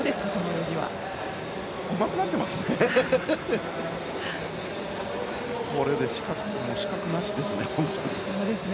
うまくなってますね。